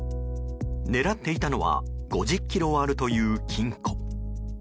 狙っていたのは５０ｋｇはあるという金庫。